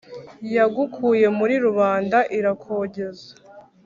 Yagukuye muri rubanda irakogeza